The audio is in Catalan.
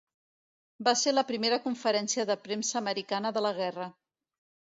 Va ser la primera conferència de premsa americana de la guerra.